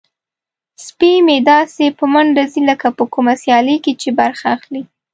سپی مې داسې په منډه ځي لکه په کومه سیالۍ کې چې برخه اخلي.